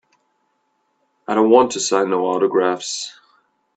I don't wanta sign no autographs.